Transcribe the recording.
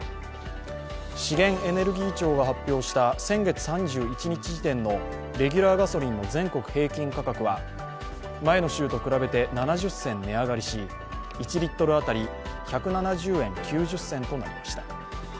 資源エネルギー庁が発表した先月３１日時点のレギュラーガソリンの全国平均価格は前の週と比べて７０銭値上がりし、１リットル当たり１７０円９０銭となりました。